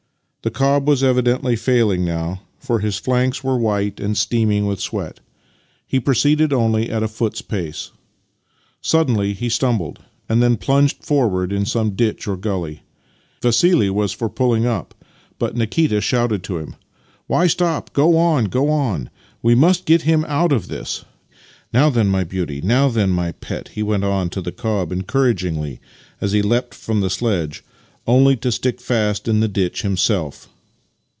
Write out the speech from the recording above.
The cob was evidently failing now, for his flanks were white and steaming Master and Man 15 with sweat, and he proceeded only at a foot's pace. Suddenly he stumbled, and then plunged forward into some ditch or gully. Vassili was for pulling up, but Nikita shouted to him: " Why stop? Go on, go on! We must get him out of this. Now then, my beauty! Now then, my pet! " he went on to the cob encouragingly as he leapt from the sledge — only to stick fast in the ditch himself.